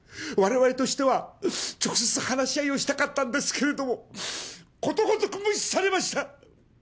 我々としては直接話し合いをしたかったんですけれどもことごとく無視されました。